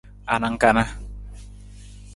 Anang kana?